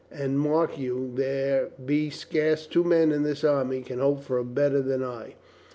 And mark you, there be scarce two men in this army can hope for better than I.